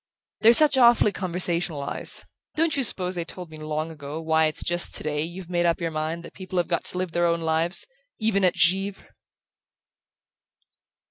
"They're such awfully conversational eyes! Don't you suppose they told me long ago why it's just today you've made up your mind that people have got to live their own lives even at Givre?"